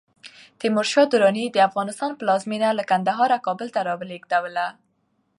تیمور شاه دراني د افغانستان پلازمېنه له کندهاره کابل ته راولېږدوله.